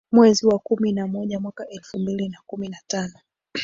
mwezi wa kumi na moja mwaka elfu mbili na kumi na tano